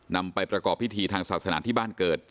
นำไปประกอบพิธีทางศาสนาที่บ้านเกิด